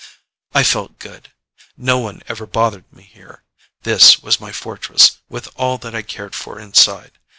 I felt good. No one ever bothered me here. This was my fortress, with all that I cared for inside.